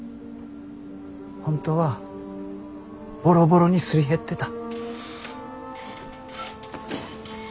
本当はボロボロにすり減ってた。